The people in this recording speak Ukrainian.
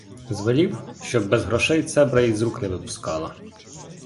Звелів, щоб без грошей цебра і з рук не випускала.